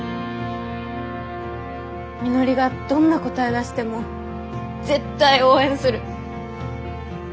みのりがどんな答え出しても絶対応援する。